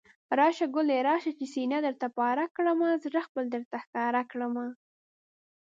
راشه ګلي راشه، چې سينه درته پاره کړمه، زړه خپل درښکاره کړمه